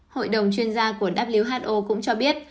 hội đồng chuyên gia của who cũng cho biết